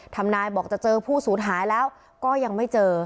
ทำนายบอกจะเจอผู้สูญหายแล้วก็ยังไม่เจอ